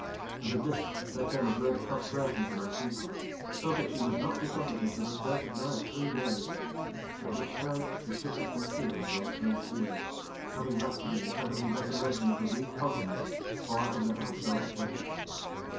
And at this, there came a great prostration to my sweetheart so that she would not be comforted for the space of nigh three days, by which time the ship had come clear of those strange seas, having left the incredible desolation of the weed continent far under our starboard counter.